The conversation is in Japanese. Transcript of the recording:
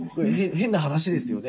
変な話ですよね。